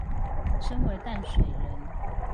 身為淡水人